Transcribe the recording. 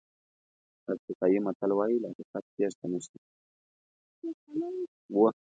افریقایي متل وایي له حقیقت تېښته نشته.